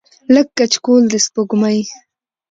او کچکول د سپوږمۍ